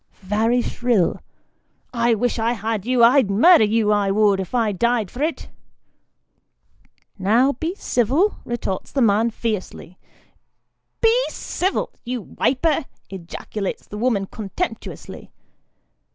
(very shrill,) I wish I had you I'd murder you, I would, if I died for it !"" Now be civil," retorts the man fiercely. " Be civil, you wiper !" ejaculates the woman contemptuously.